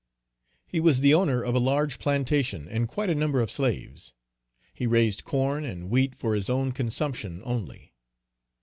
He was the owner of a large plantation and quite a number of slaves. He raised corn and wheat for his own consumption only.